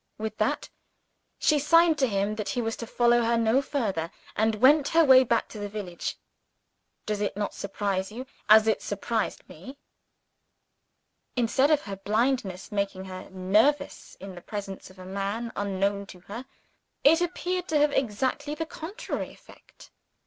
With that, she signed to him that he was to follow her no farther, and went her way back to the village. Does it not surprise you, as it surprised me? Instead of her blindness making her nervous in the presence of a man unknown to her, it appeared to have exactly the contrary effect.